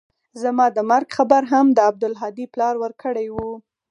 زما د مرګ خبر هم د عبدالهادي پلار ورکړى و.